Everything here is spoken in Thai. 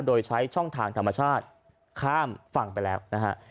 โดยใช้ช่องทางธรรมชาติข้ามฝั่งไปแล้วนะฮะ